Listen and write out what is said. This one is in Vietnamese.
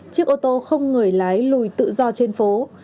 chiếc ô tô không người lái lùi tự do trên phố